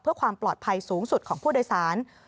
เพื่อความปลอดภัยสูงสุดของผู้โดยสาร